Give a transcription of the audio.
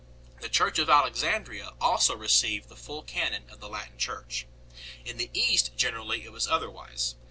The Church of Alex andria also received the full canon of the Latin Church. In the East generally it was otherwise.